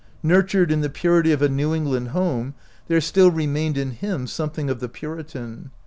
Nur tured in the purity of a New England home, there still remained in him something of the Puritan.